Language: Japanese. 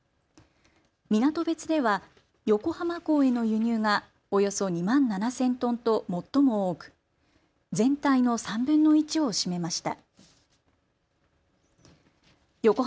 港別では横浜港への輸入がおよそ２万７０００トンと最も多く全体の３分の１を占めました。